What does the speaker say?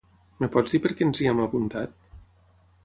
Em pots dir per què ens hi hem apuntat?